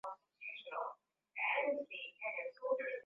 bunge likasema halitaki mahakama ya kuhu